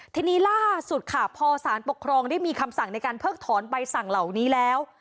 ทีนี้ล่าสุดค่ะพอสารปกครองได้มีคำสั่งในการเพิกถอนใบสั่งเหล่านี้แล้ว